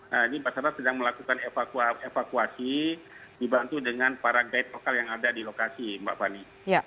jadi basarnas sedang melakukan evakuasi dibantu dengan para guide lokal yang ada di lokasi mbak fani